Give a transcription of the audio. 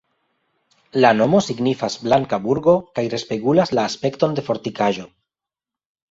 La nomo signifas "blanka burgo" kaj respegulas la aspekton de fortikaĵo.